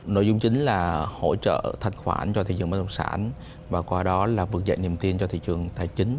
nội dung chính là hỗ trợ thanh khoản cho thị trường bán đồng sản và qua đó là vượt dạy niềm tin cho thị trường tài chính